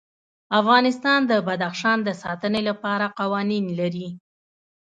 افغانستان د بدخشان د ساتنې لپاره قوانین لري.